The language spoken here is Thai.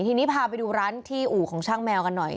ทีนี้พาไปดูร้านที่อู่ของช่างแมวกันหน่อย